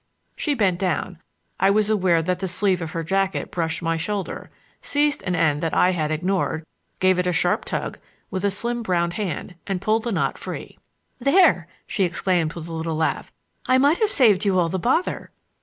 She bent down—I was aware that the sleeve of her jacket brushed my shoulder—seized an end that I had ignored, gave it a sharp tug with a slim brown hand and pulled the knot free. "There!" she exclaimed with a little laugh; "I might have saved you all the bother."